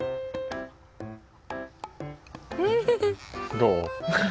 どう？